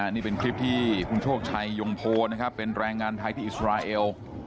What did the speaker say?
นี่เป็นคลิปที่คุณโชคชัยยงโพนะครับเป็นแรงงานไทยที่อิสราเอล